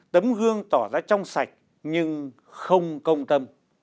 tấm gương tỏ ra trong sạch nhưng không công tâm